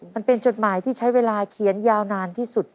จดหมายที่ใช้เวลาเขียนยาวนานที่สุด